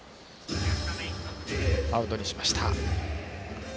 アウトにしました。